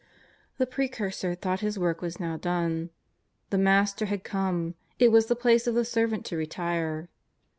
The Precursor thought his work was now done; the Master had come, it was the place of the servant to retire.